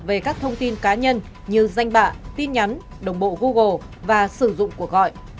về các thông tin cá nhân như danh bạ tin nhắn đồng bộ google và sử dụng cuộc gọi